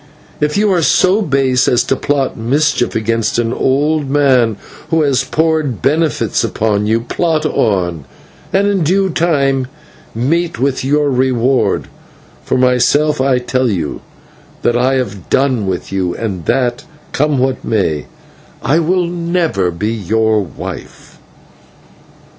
If you are so base as to plot mischief against an old man who has poured benefits upon you, plot on, and in due time meet with your reward, but for myself I tell you that I have done with you, and that, come what may, I will never be your wife."